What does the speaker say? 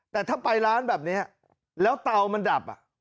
แต่ถ้าไปร้านแบบนี้แล้วเตามันดับ